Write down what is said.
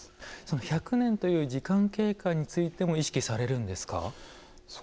１００年という時間経過についても意識されるんですか。